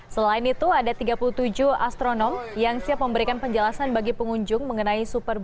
selain itu ada tiga puluh tujuh astronom yang siap memberikan penjelasan bagi pengunjung mengenai superbike